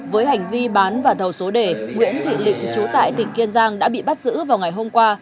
với hành vi bán và thầu số đề nguyễn thị lịnh chú tại tỉnh kiên giang đã bị bắt giữ vào ngày hôm qua